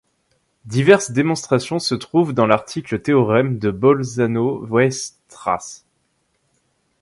Diverses démonstrations se trouvent dans l'article théorème de Bolzano-Weierstrass.